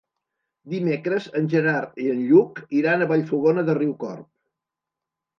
Dimecres en Gerard i en Lluc iran a Vallfogona de Riucorb.